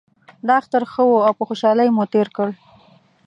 دا اختر ښه و او په خوشحالۍ مو تیر کړ